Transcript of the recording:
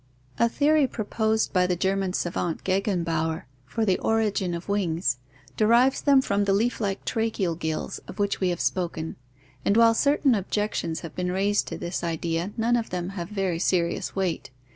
A theory proposed by the German savant Gegenbaur for the origin of wings derives them from the leaf like tracheal gills of which we have spoken, and while certain objections have been raised to this idea none of them have very serious weight.